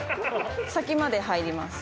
先まで入ります。